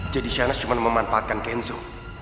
jadi shahnas cuma memanfaatkan kenzo